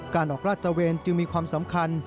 ออกราดตะเวนจึงมีความสำคัญ